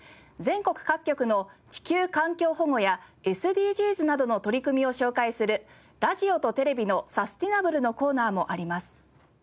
全国各局の地球環境保護やＳＤＧｓなどの取り組みを紹介するラジオとテレビのサステナブルのコーナーもあります。